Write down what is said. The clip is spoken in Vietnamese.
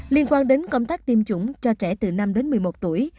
liên quan đến công tác tiêm chủng cho trẻ từ năm đến một mươi một tuổi